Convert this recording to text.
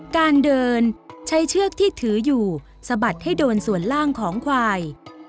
การเดินใช้เชือกที่ถืออยู่สะบัดให้โดนส่วนล่างของควาย